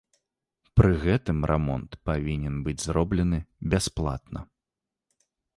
Пры гэтым рамонт павінен быць зроблены бясплатна.